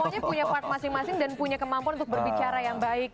semuanya punya kemampuan untuk berbicara yang baik